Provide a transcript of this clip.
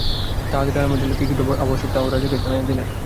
তাঁহাদের আরামের জন্য কী কী দ্রব্য আবশ্যক তাহাও রাজাকে জানাইয়া দিলেন।